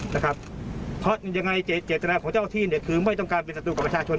นะครับเพราะยังไงเจตนาของเจ้าที่เนี่ยคือไม่ต้องการเป็นศัตรูกับประชาชน